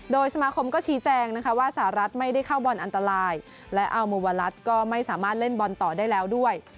โดยสมาคมก็ชี้แจงนะคะว่าสหรัฐไม่ได้เข้าบอลอันตรายและอัลโมวารัสก็ไม่สามารถเล่นบอลต่อได้แล้วด้วย